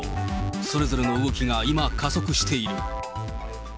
それぞれの動きが今、加速している。